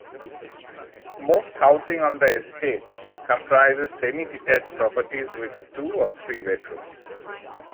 Most housing on the estate comprises semi-detached properties with two or three bedrooms.